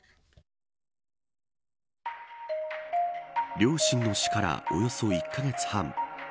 両親の死からおよそ１カ月半。